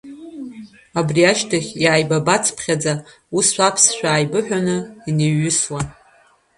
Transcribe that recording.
Абри ашьҭахь, иааибабацыцхьаӡа, ус аԥсшәа ааибыҳәан инеиҩысуан.